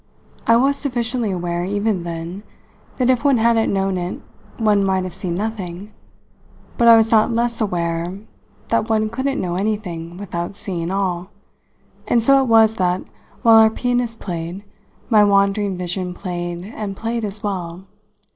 I was sufficiently aware even then that if one hadn't known it one might have seen nothing; but I was not less aware that one couldn't know anything without seeing all; and so it was that, while our pianist played, my wandering vision played and played as well.